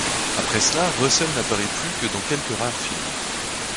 Après cela, Russell n'apparut plus que dans quelques rares films.